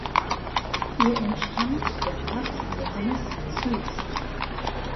Ihr entstammt der Arzt Johannes Züst.